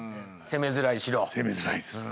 攻めづらいです。